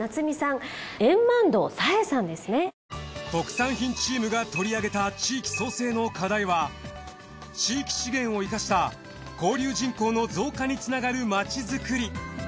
特産品チームが取り上げた地域創生の課題は地域資源を生かした交流人口の増加につながるまちづくり。